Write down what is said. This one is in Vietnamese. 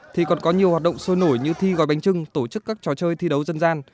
thì còn có nhiều hoạt động sôi nổi như thi gói bánh trưng tổ chức các trò chơi thi đấu dân gian